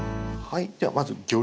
はい。